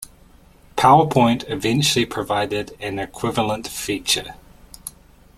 PowerPoint eventually provided an equivalent feature.